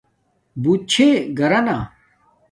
بوت چھے گھرانا